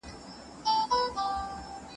د اکسیجن ډبې چيري ساتل کیږي؟